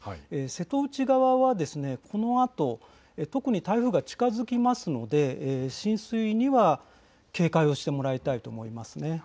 瀬戸内側はこのあと特に台風が近づきますので浸水には警戒をしてもらいたいと思います。